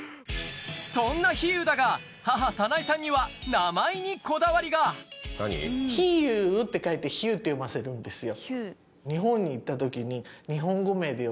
そんな飛勇だが母早苗さんには名前にこだわりが「飛勇」って書いて「Ｈｕｇｈ」って読ませるんですよ。